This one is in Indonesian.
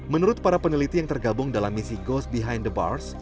menurut para peneliti yang tergabung dalam misi ghost behind the barce